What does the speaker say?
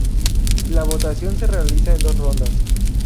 La votación se realiza en dos rondas.